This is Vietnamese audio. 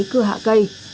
cưa hạ cây